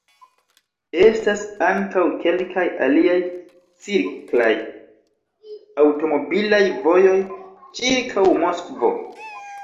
Estas ankaŭ kelkaj aliaj cirklaj aŭtomobilaj vojoj ĉirkaŭ Moskvo.